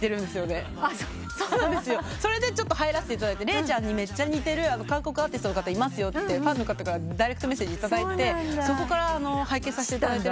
「礼ちゃんにめっちゃ似てる韓国アーティストの方いますよ」ってファンの方からダイレクトメッセージいただいてそこから拝見させていただいてるんです。